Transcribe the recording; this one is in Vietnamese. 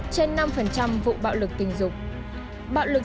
trên năm vụ bạo lực tình dục